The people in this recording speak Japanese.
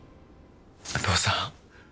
お父さん。